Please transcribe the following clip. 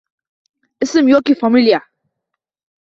ism yoki familiya